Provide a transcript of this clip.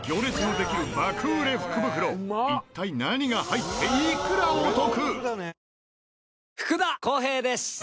一体何が入っていくらお得？